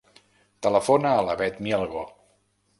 Telefona a la Bet Mielgo.